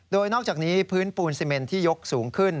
โดยนอกจากนี้พื้นปูนซีเมนที่ยกสูงขึ้น